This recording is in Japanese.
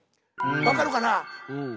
分かるかな？